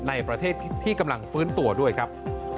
ในประเทศที่กำลังฟื้นตัวด้วยครับ